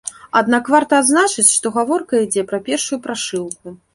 Аднак, варта адзначыць, што гаворка ідзе пра першую прашыўку.